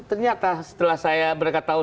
ternyata setelah mereka tahu